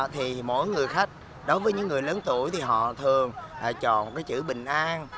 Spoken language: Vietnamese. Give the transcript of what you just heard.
thì mỗi người khách đối với những người lớn tuổi thì họ thường chọn cái chữ bình an